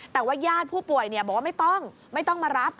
แต่ว่าญาติผู้ป่วยบอกว่าไม่ต้องไม่ต้องมารับ